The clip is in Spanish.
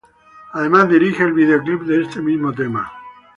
Además, dirige el videoclip de este mismo tema.